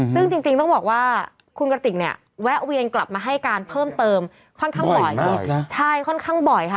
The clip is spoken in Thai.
ซึ่งจริงต้องบอกว่าคุณกะติกแวะเวียนกลับมาให้การเพิ่มเติมค่อนข้างบ่อยค่ะ